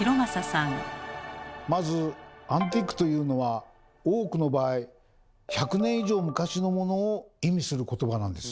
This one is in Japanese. まず「アンティーク」というのは多くの場合「１００年以上昔のモノ」を意味する言葉なんです。